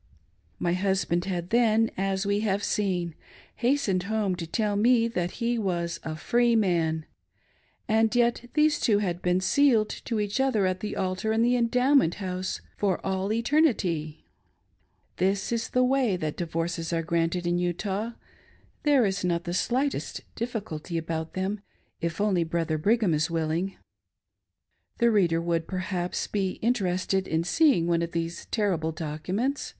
My husband had then, as we have seen, hastened home to tell me that he was "a free man:" — and yet these two had been " sealed " to each other at the altar in the Endowment House "for all eternity !". This is the way that divorces are granted in Utah :— there is not the slightest difficulty about them, if only Brother Brig ham is willing. The reader would, perhaps, be interested in seeing one of these terrible documents.